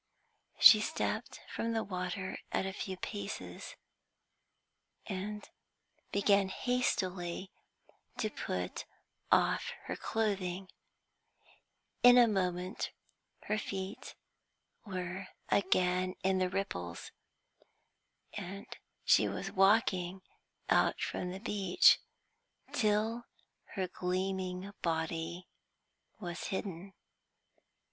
She stepped from the water a few paces, and began hastily to put off her clothing; in a moment her feet were again in the ripples, and she was walking out from the beach, till her gleaming body was hidden.